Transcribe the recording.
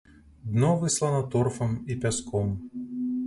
Дно выслана торфам і пяском.